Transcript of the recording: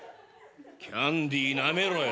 キャンディーなめろよ。